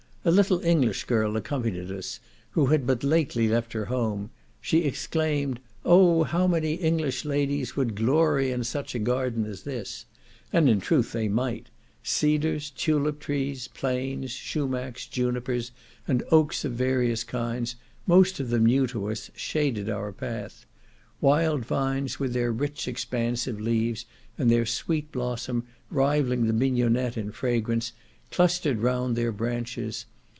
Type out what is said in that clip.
A little English girl accompanied us, who had but lately left her home; she exclaimed, "Oh! how many English ladies would glory in such a garden as this!" and in truth they might; cedars, tulip trees, planes, shumacs, junipers, and oaks of various kinds, most of them new to us, shaded our path. Wild vines, with their rich expansive leaves, and their sweet blossom, rivalling the mignionette in fragrance, clustered round their branches.